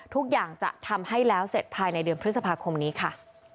ทุกอย่างจะทำให้แล้วเสร็จภายในเดือนพฤษภาคมนี้ค่ะ